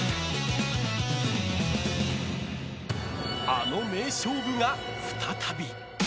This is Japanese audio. あの名勝負が再び。